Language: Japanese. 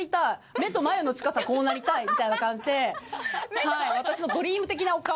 目と眉の近さこうなりたい！みたいな感じで私のドリーム的なお顔。